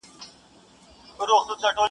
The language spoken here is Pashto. زه تر ده سم زوروري لوبي کړلای؛